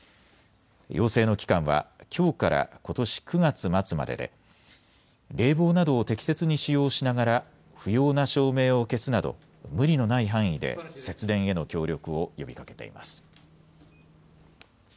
要請の期間はきょうからことし９月末までで冷房などを適切に使用しながら不要な照明を消すなど無理のない範囲で節電への協力を呼びかけています。